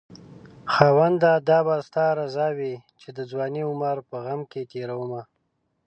خاونده دا به ستا رضاوي چې دځوانۍ عمر په غم کې تيرومه